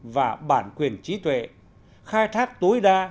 và bản quyền trí tuệ khai thác tối đa